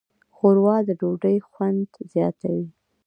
ښوروا د ډوډۍ خوند زیاتوي.